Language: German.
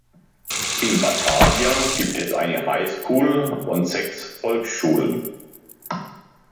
In Batavia gibt es eine High School und sechs Volksschulen.